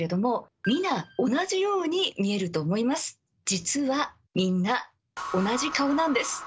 実はみんな同じ顔なんです。